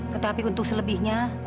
tetapi untuk selebihnya